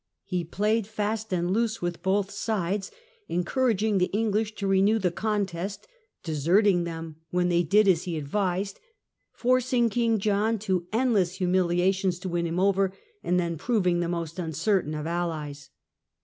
He played fast and loose with both sides, encouraging the English to renew the contest, deserting them when they did as he advised, forcing King John to endless humiliations to win him over and then proving the most uncertain of allies.